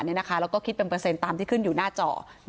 แล้วก็คิดเป็นเปอร์เซ็นต์ตามที่ขึ้นอยู่หน้าจอ